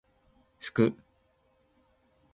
ふく